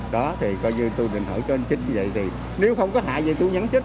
đó thì coi như tôi định hỏi cho anh chính vậy thì nếu không có hại gì tôi nhắn chích